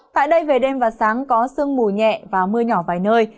tại đây về đêm và sáng có sương mù nhẹ và mưa nhỏ vài nơi